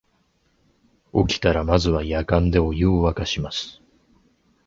起きたらまずはやかんでお湯をわかします